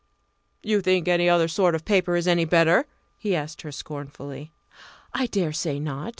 "You think any other sort of paper is any better?" he asked her scornfully. "I dare say not.